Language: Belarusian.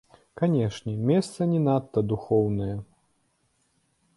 Канешне, месца не надта духоўнае.